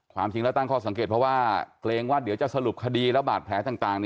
ความจริงแล้วตั้งข้อสังเกตเพราะว่าเกรงว่าเดี๋ยวจะสรุปคดีแล้วบาดแผลต่าง